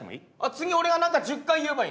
次俺が何か１０回言えばいいの？